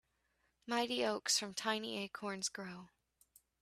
Mighty oaks from tiny acorns grow.